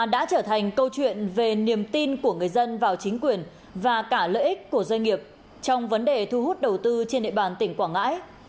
đã trở thành câu chuyện về niềm tin của người dân vào chính quyền và cả lợi ích của doanh nghiệp trong vấn đề thu hút đầu tư trên địa bàn tỉnh quảng ngãi